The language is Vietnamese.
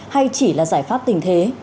hay chỉ là giải pháp tình thế